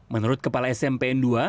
menurut kepala smp n dua